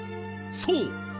そう！